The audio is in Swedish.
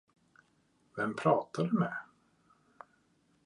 Vem pratar du med?